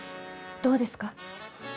どうですか？